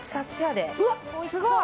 うわすごい！